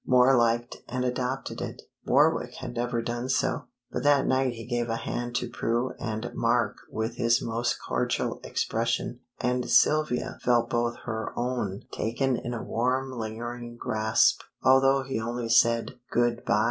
Moor liked and adopted it; Warwick had never done so, but that night he gave a hand to Prue and Mark with his most cordial expression, and Sylvia felt both her own taken in a warm lingering grasp, although he only said "good by!"